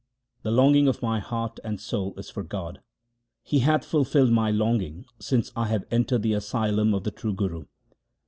The longing of my heart and soul is for God ; He hath fulfilled my longing since I have entered the asylum of the true Guru.